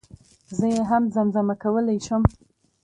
زه يي هم زم زمه کولی شم